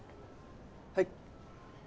はい。